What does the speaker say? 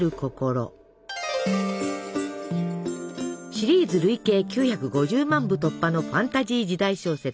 シリーズ累計９５０万部突破のファンタジー時代小説「しゃばけ」。